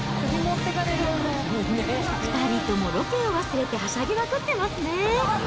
２人ともロケを忘れてはしゃぎまくってますね。